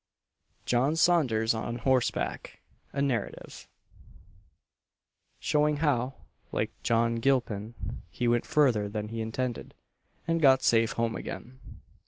JOHN SAUNDERS ON HORSEBACK: A NARRATIVE; Showing how, like John Gilpin, he went further than he intended, and got safe home again.